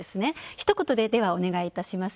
ひと言で、お願いいたします。